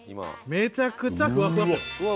めちゃくちゃふわふわ！